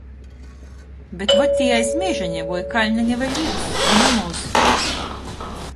Bet vot tī aiz mežeņa, voi kalneņa vēļ ir, i na moz...